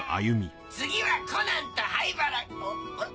次はコナンと灰原あら？